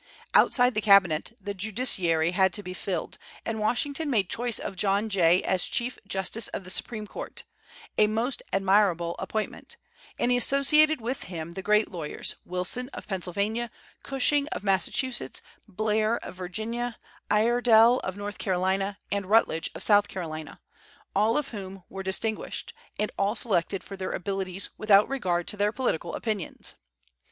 Outside the cabinet, the judiciary had to be filled, and Washington made choice of John Jay as chief justice of the Supreme Court, a most admirable appointment, and associated with him the great lawyers, Wilson of Pennsylvania, Cushing of Massachusetts, Blair of Virginia, Iredell of North Carolina, and Rutledge of South Carolina, all of whom were distinguished, and all selected for their abilities, without regard to their political opinions.